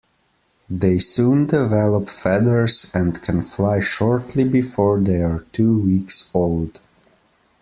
They soon develop feathers and can fly shortly before they are two weeks old.